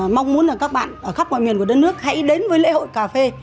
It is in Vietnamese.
mong muốn các bạn ở khắp ngoại nguyên của đất nước hãy đến với lễ hội cà phê